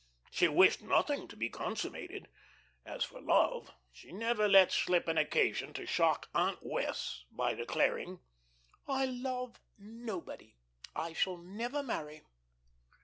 She wished nothing to be consummated. As for love, she never let slip an occasion to shock Aunt Wess' by declaring: "I love nobody. I shall never marry."